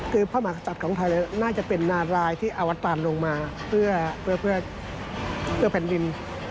คือพระมหากษัตริย์ของไทยน่าจะเป็นนารายที่อวตารลงมาเพื่อแผ่นดิน